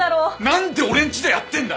何で俺んちでやってんだよ！